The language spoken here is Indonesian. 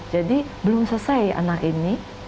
jadi belum selesai anak ini